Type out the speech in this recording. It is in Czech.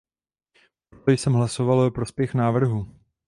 Proto jsem hlasoval ve prospěch návrhu.